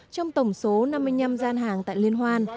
trong tổng số năm mươi năm gian hàng tại liên hoan